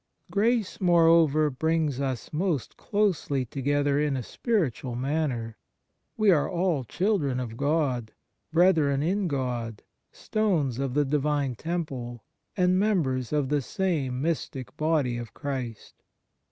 Grace, moreover, brings us most closely together in a spiritual manner ; we are all children of God, brethren in God, stones of the Divine temple, and members of the same mystic Body of Christ.